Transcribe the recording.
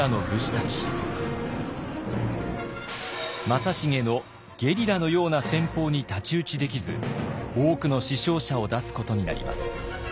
正成のゲリラのような戦法に太刀打ちできず多くの死傷者を出すことになります。